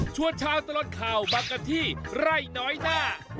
ชั่วช้าตลอดข่าวมากับที่ไร่น้อยน่ะ